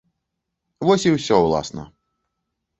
Вось і ўсё ўласна.